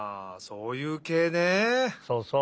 そうそう。